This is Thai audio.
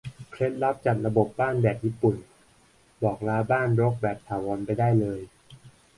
เคล็ดลับจัดระเบียบบ้านแบบญี่ปุ่น บอกลาบ้านรกแบบถาวรไปได้เลย